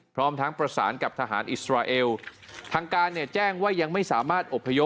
พร้อมทั้งประสานกับทหารอิสราเอลทางการเนี่ยแจ้งว่ายังไม่สามารถอบพยพ